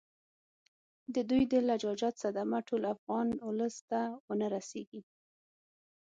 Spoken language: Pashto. د دوی د لجاجت صدمه ټول افغان اولس ته ونه رسیږي.